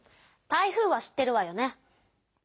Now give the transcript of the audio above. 台風は知ってるわよね？